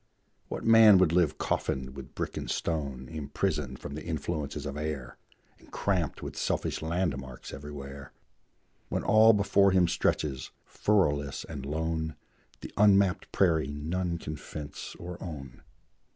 What man would live coffined with brick and stone, Imprisoned from the influences of air, And cramped with selfish land marks everywhere, When all before him stretches, furrowless and lone, The unmapped prairie none can fence or own?